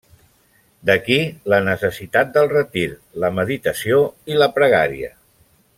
D'aquí la necessitat del retir, la meditació i la pregària.